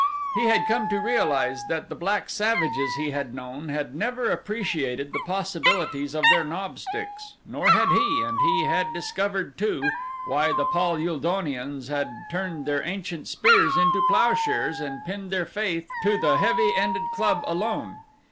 He had come to realize that the black savages he had known had never appreciated the possibilities of their knob sticks, nor had he, and he had discovered, too, why the Pal ul donians had turned their ancient spears into plowshares and pinned their faith to the heavy ended club alone.